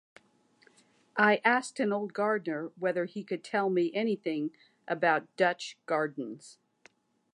I asked an old gardener whether he could tell me anything about Dutch Gardens.